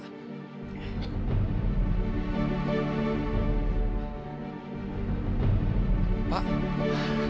eh papa ya allah